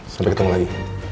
sampai ketemu lagi